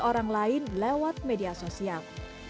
orang lain lewat media sosial